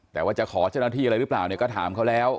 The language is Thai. แต่ว่าจะขอเจ้าหน้าที่อะไรหรือเปล่าเนี่ยก็ถามเขาแล้ว